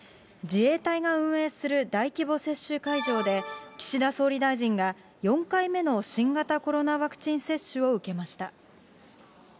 自衛隊が運営する大規模接種会場で、岸田総理大臣が４回目の新型コロナワクチン接種を受けました。